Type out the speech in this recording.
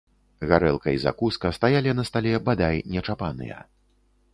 Гарэлка і закуска стаялі на стале бадай нечапаныя.